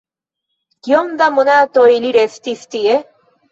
Kiom da monatoj li restis tie?